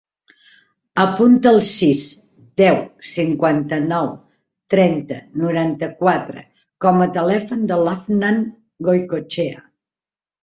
Apunta el sis, deu, cinquanta-nou, trenta, noranta-quatre com a telèfon de l'Afnan Goicoechea.